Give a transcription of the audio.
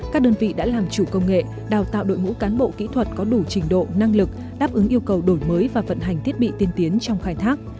các đơn vị đã làm chủ công nghệ đào tạo đội ngũ cán bộ kỹ thuật có đủ trình độ năng lực đáp ứng yêu cầu đổi mới và vận hành thiết bị tiên tiến trong khai thác